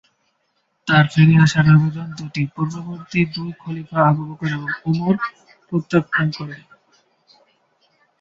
তার ফিরে আসার আবেদন দুটি পূর্ববর্তী দুই খলিফা আবু বকর এবং উমর প্রত্যাখ্যান করে।